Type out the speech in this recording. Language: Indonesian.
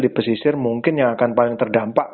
di pesisir mungkin yang akan paling terdampak